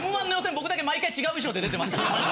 僕だけ毎回違う衣装で出てましたから。